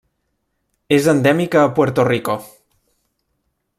És endèmica a Puerto Rico.